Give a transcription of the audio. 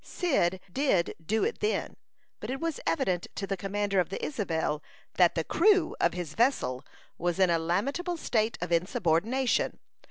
Cyd did do it then; but it was evident to the commander of the Isabel that the "crew" of his vessel was in a lamentable state of insubordination.